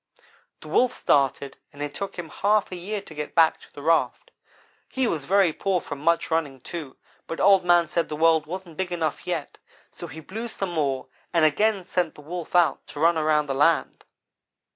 "The Wolf started, and it took him half a year to get back to the raft. He was very poor from much running, too, but Old man said the world wasn't big enough yet so he blew some more, and again sent the Wolf out to run around the land.